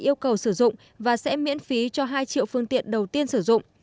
yêu cầu sử dụng và sẽ miễn phí cho hai triệu phương tiện đầu tiên sử dụng